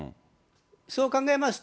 そう考えますと、